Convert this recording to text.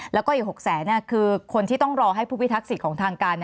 แล้วก็อีก๖แสนคือคนที่ต้องรอให้ผู้พิทักษิตของทางการ